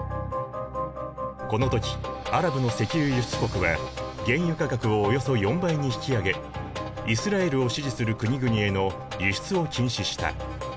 この時アラブの石油輸出国は原油価格をおよそ４倍に引き上げイスラエルを支持する国々への輸出を禁止した。